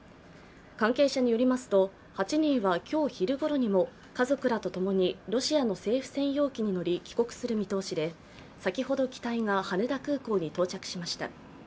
関係者によりますと、８人は今日昼ごろにも家族らとともにロシアの政府専用機に乗り、帰国する見通しで先ほど機体が羽田空港に到着しました。